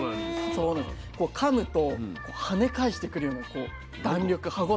こうかむとはね返してくるような弾力歯ごたえが。